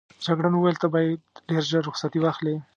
جګړن وویل ته باید ډېر ژر رخصتي واخلې.